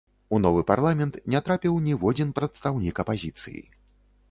У новы парламент не трапіў ніводзін прадстаўнік апазіцыі.